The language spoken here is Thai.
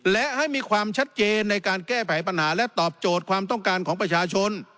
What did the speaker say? และให้มีความชัดเจนในการแก้ไขปัญหาและตอบโจทย์ความต้องการของประชาชน